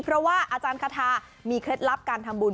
เพราะว่าอาจารย์คาทามีเคล็ดลับการทำบุญ